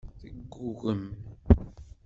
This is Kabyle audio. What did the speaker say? Teggugem.